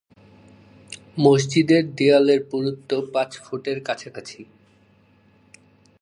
মসজিদের দেয়ালের পুরুত্ব পাঁচ ফুট এর কাছাকাছি।